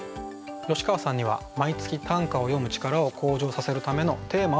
吉川さんには毎月短歌を詠む力を向上させるためのテーマをご用意頂いています。